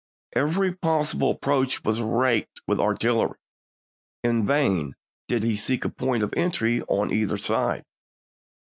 Every possible ap War,"p?6i. proach was raked with artillery." In vain did he seek a point of entry on either side.